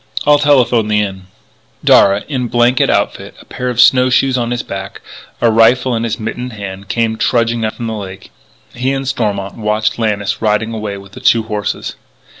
I'll telephone the Inn." Darragh, in blanket outfit, a pair of snow shoes on his back, a rifle in his mittened hand, came trudging up from the lake. He and Stormont watched Lannis riding away with the two horses.